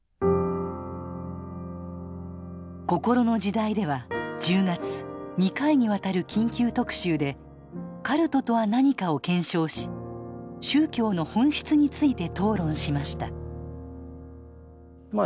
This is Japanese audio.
「こころの時代」では１０月２回にわたる緊急特集でカルトとは何かを検証し宗教の本質について討論しましたまあ